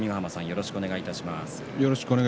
よろしくお願いします。